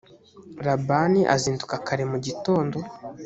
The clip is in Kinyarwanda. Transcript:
labani azinduka kare mu gitondo